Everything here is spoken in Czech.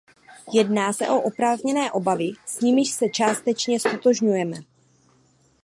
Jedná se o oprávněné obavy, s nimiž se částečně ztotožňujeme.